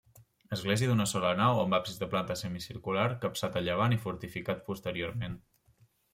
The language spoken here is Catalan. Església d'una sola nau amb absis de planta semicircular capçat a llevant i fortificat posteriorment.